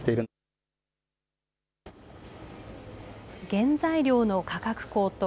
原材料の価格高騰。